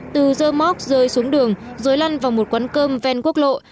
từ dơ móc rơi xuống đường rồi lăn vào một quán cơm ven quốc lộ